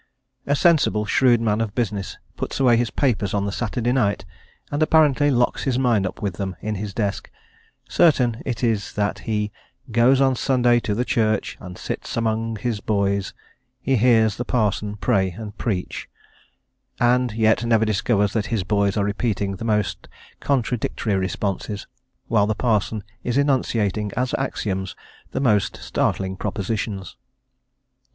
A sensible, shrewd man of business puts away his papers on the Saturday night, and apparently locks his mind up with them in his desk; certain it is that he "Goes on Sunday to the church, And sits among his boys; He hears the parson pray and preach," and yet never discovers that his boys are repeating the most contradictory responses, while the parson is enunciating as axioms the most startling propositions.